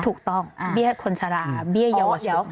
ถูกต้องเบี้ยคนชะลาเบี้ยเยาว์